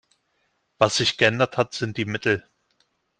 Was sich geändert hat, sind die Mittel.